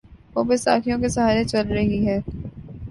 وہ بیساکھیوں کے سہارے چل رہی ہے۔